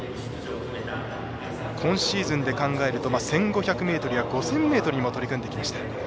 今シーズンで考えると１５００ｍや５０００ｍにも取り組んできました。